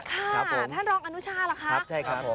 ครับผมท่านรองอนุชาหรอคะครับใช่ครับผม